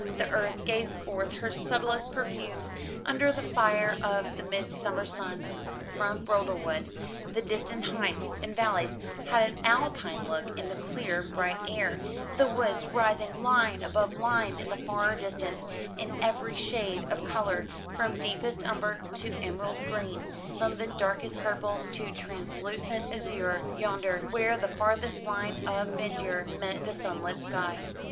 The earth gave forth her subtlest perfumes under the fire of the midsummer sun. From Boldrewood the distant heights and valleys had an Alpine look in the clear bright air, the woods rising line above line in the far distance, in every shade of colour, from deepest umber to emerald green, from the darkest purple to translucent azure, yonder, where the farthest line of verdure met the sunlit sky.